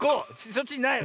そっちにない。